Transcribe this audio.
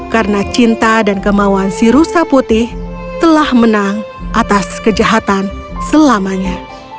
karena cinta dan kemauan si rusa putih telah menang atas kejahatan selamanya